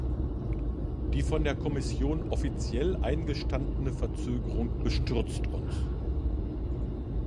Die von der Kommission offiziell eingestandene Verzögerung bestürzt uns.